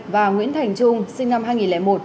và nguyễn thành trung sinh năm hai nghìn một